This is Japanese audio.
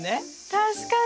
確かに！